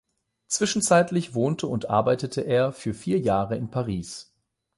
Zwischenzeitlich wohnte und arbeitete er für vier Jahre in Paris.